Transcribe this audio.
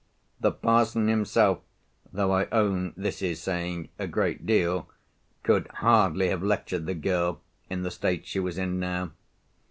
The parson himself (though I own this is saying a great deal) could hardly have lectured the girl in the state she was in now.